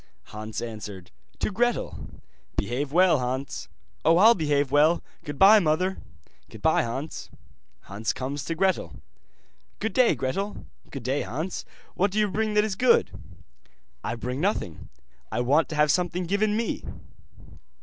Hans answered: 'To Gretel.' 'Behave well, Hans.' 'Oh, I'll behave well. Goodbye, mother.' 'Goodbye, Hans.' Hans comes to Gretel. 'Good day, Gretel.' 'Good day, Hans. What do you bring that is good?' 'I bring nothing, I want to have something given me.